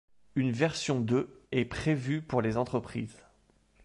Une version de est prévue pour les entreprises.